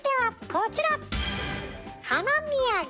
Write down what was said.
こちら！